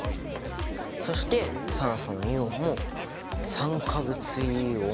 そして酸素のイオンも「酸化物イオン」。